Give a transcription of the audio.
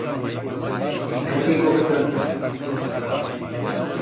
Encá tiengo que plantar.